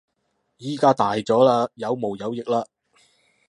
而家大咗喇，有毛有翼喇